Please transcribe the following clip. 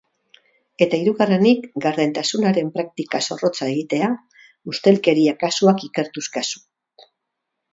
Eta hirugarrenik, gardentasunaren praktika zorrotza egitea, ustelkeria kasuak ikertuz kasu.